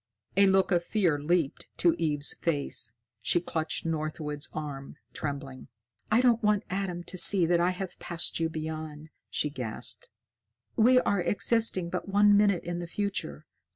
A look of fear leaped to Eve's face. She clutched Northwood's arm, trembling. "I don't want Adam to see that I have passed you beyond," she gasped. "We are existing but one minute in the future.